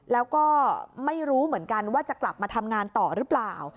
แล้วก็ไม่รู้เหมือนกันว่าจะกลับมาทำงานต่อหรือเปล่า